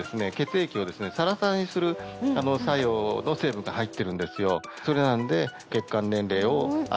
豈佞鬚任垢サラサラにする作用の成分が入ってるんですよ